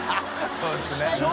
そうですね。